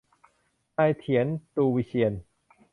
นายเถียร ตูวิเชียร